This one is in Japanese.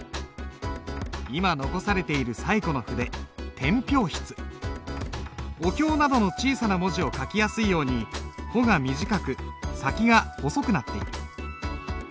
今残されている最古の筆お経などの小さな文字を書きやすいように穂が短く先が細くなっている。